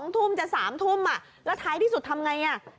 ๒ทุ่มจะ๓ทุ่มแล้วท้ายที่สุดทำไง